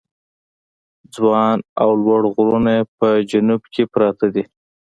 ځوان او لوړ غرونه یې په جنوب کې پراته دي.